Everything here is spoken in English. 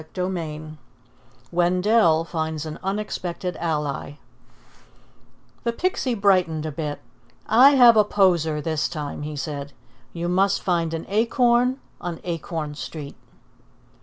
CHAPTER IV WENDELL FINDS AN UNEXPECTED ALLY The Pixie brightened a bit. "I have a poser this time," he said. "You must find an acorn on Acorn Street."